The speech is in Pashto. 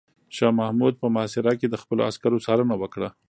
شاه محمود په محاصره کې د خپلو عسکرو څارنه وکړه.